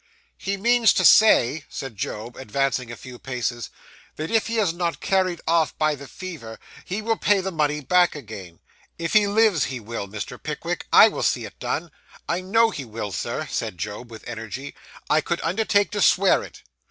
'He means to say,' said Job, advancing a few paces, 'that if he is not carried off by the fever, he will pay the money back again. If he lives, he will, Mr. Pickwick. I will see it done. I know he will, Sir,' said Job, with energy. 'I could undertake to swear it.